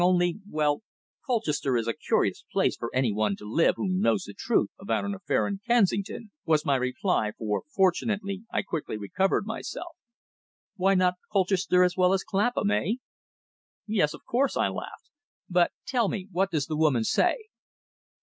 Only well, Colchester is a curious place for anyone to live who knows the truth about an affair in Kensington," was my reply, for fortunately I quickly recovered myself. "Why not Colchester as well as Clapham eh?" "Yes, of course," I laughed. "But, tell me, what does the woman say?"